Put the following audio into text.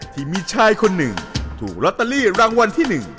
ที่มีชายคนหนึ่งถูกลอตเตอรี่รางวัลที่๑